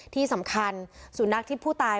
ที่สำคัญสุนัขที่ผู้ตาย